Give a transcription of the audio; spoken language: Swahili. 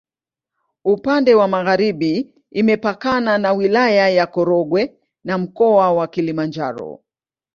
Upande wa magharibi imepakana na Wilaya ya Korogwe na Mkoa wa Kilimanjaro.